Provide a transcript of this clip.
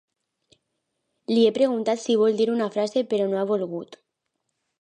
Li he preguntat si vol dir una frase però no ha volgut.